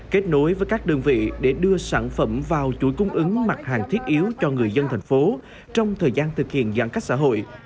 kết nối với các đơn vị để đưa sản phẩm vào chuỗi cung ứng mặt hàng thiết yếu cho người dân thành phố trong thời gian thực hiện giãn cách xã hội